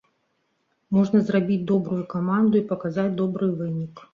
Можна зрабіць добрую каманду і паказаць добры вынік.